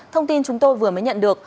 thông tin chúng tôi vừa mới nhận được